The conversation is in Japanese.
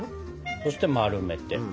そして丸めて。